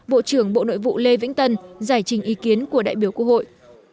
bộ trưởng bộ nội vụ lê vĩnh tân giải trình ý kiến của đại biểu quốc hội